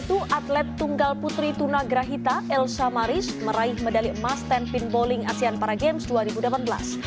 putri tuna grahita elsa maris meraih medali emas ten pin bowling asean para games dua ribu delapan belas